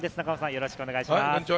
よろしくお願いします。